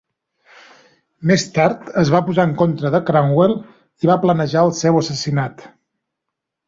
Més tard es va posar en contra de Cromwell i va planejar el seu assassinat.